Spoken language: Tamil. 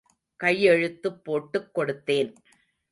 கையெழுத்துப் போட்டுக் கொடுத்தேன்.